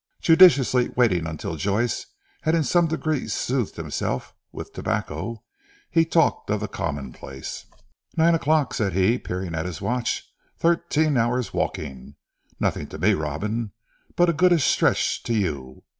Judiciously waiting until Joyce had in some degree soothed himself with tobacco, he talked of the common place. "Nine o'clock," said he peering at his watch; "thirteen hour's walking. Nothing to me Robin, but a goodish stretch to you.